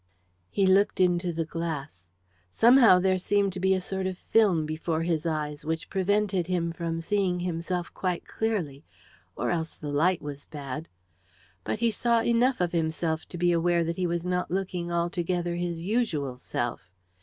He looked into the glass. Somehow there seemed to be a sort of film before his eyes which prevented him from seeing himself quite clearly, or else the light was bad! But he saw enough of himself to be aware that he was not looking altogether his usual self.